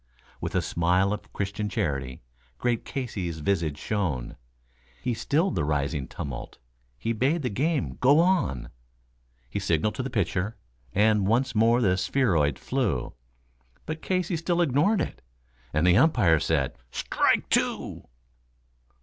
With a smile of Christian charity great Casey's visage shone; He stilled the rising tumult; he bade the game go on; He signaled to the pitcher, and once more the spheroid flew, But Casey still ignored it; and the umpire said, "Strike two."